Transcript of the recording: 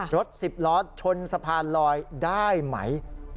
รถ๑๐ล้อชนสะพานลอยได้ไหม